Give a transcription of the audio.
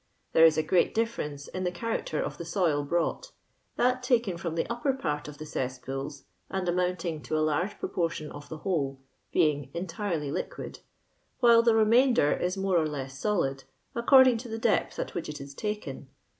*' There is a great difference in the oha racter of the soil brought ; that taken frotm the upper part of the cesspools, and amount ing to a large proportion of the whole, being entirely liquid ; while the remainder is more or less solid, according to the depth at which it is taken.